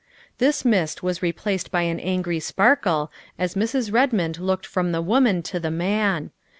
This mist was replaced by an angry sparkle as Mrs. Redmond looked from the woman to the man.